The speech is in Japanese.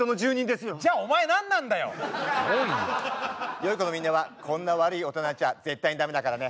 よい子のみんなはこんな悪い大人になっちゃ絶対に駄目だからね。